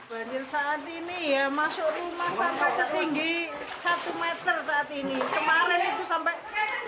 banjir saat ini masuk rumah sampai setinggi